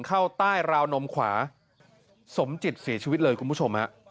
เข้าใต้ราวนมขวาสมจิตเสียชีวิตเลยคุณผู้ชมฮะ